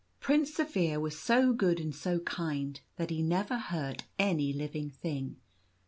Prince Zaphir was so good and so kind that he never hurt any living thing.